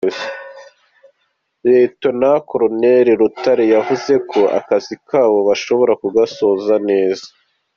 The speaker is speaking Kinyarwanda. Lt Col Butare yavuze ko akazi kabo bashoboye kugasoza neza.